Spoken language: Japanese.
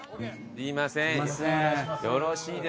すいません。